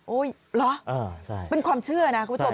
โอ้ยหรออ้าวเป็นความเชื่อนะคุณผู้ชม